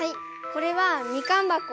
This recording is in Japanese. これはみかん箱。